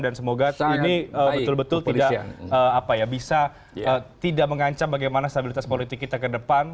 dan semoga ini betul betul tidak mengancam bagaimana stabilitas politik kita ke depan